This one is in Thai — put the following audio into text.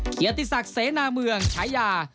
เกียรติศักดิ์เสนาเมืองฉายา